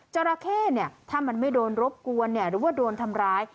จราเข้ถ้ามันไม่โดนรบกวนหรือว่าโดนทำร้าย